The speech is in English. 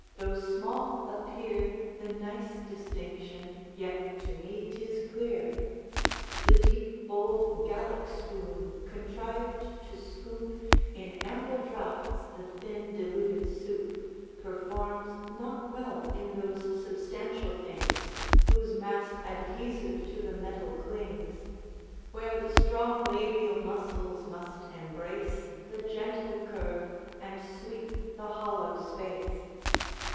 Though small appear The nice distinction, yet to me 'tis clear. The deep bowled Gallic spoon, contrived to scoop In ample draughts the thin diluted soup, Performs not well in those substantial things, Whose mass adhesive to the metal clings; Where the strong labial muscles must embrace The gentle curve, and sweep the hollow space.